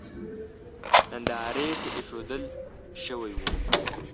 نندارې ته اېښودل شوی و.